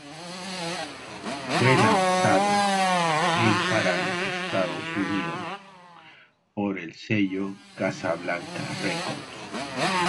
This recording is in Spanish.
Fue lanzado el para los Estados Unidos por el sello Casablanca Records.